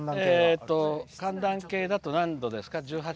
寒暖計だと何度ですか？